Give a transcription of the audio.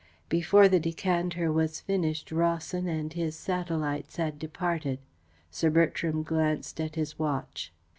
Before the decanter was finished Rawson and his satellites had departed. Sir Bertram glanced at his watch.